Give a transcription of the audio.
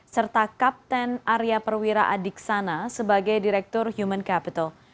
serta kapten arya perwira adiksana sebagai direktur human capital